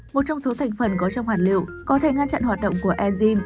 một trong số thành phần có trong hạt liệu có thể ngăn chặn hoạt động của enzyme